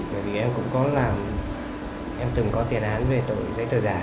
bởi vì em cũng có làm em từng có tiền án về tội giấy tờ giả